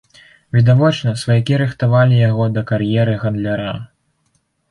Відавочна, сваякі рыхтавалі яго да кар'еры гандляра.